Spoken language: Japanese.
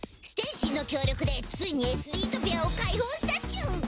ステイシーの協力でついにＳＤトピアを解放したチュン。